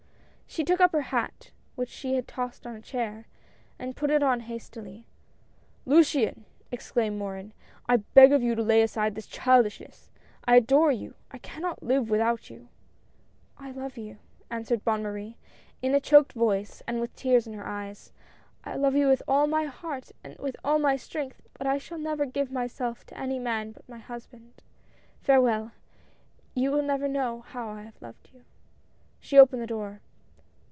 She took up her hat, wliich she had tossed on a chair, and put it on, hastily. " Luciane !" exclaimed Morin, " I beg of you to lay aside this childishness ! I adore you ! I cannot live without you "" I love you," answered Bonne Marie, in a choked HOPES, 175 voice, and with tears in her eyes ;" I love you with all my heart and with all my strength ; but I shall never give myself to any man but my husband. Farewell. You will never know how I have loved you." She opened the door.